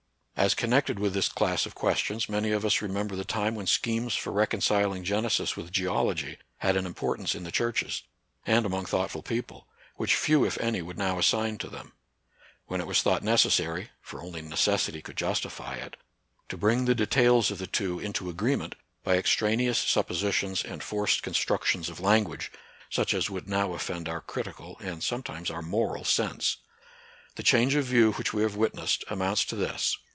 As connected with this class of questions, many of us remember the time when schemes 8 NATURAL SCIENCE AND RELIGION. for reconciling Genesis with Geology had an importance in the churches, and among thought ful people, which few if any would now assign to them ; when it was thought necessary — for only necessity could justify it — to bring the details of the two into agreement by extraneous suppositions and forced constructions of lan gu.age, such as would now offend our critical and sometimes our moral sense. The change of view which we have witnessed amounts to this.